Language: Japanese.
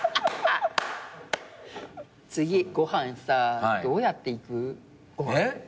次ご飯さどうやって行く？えっ？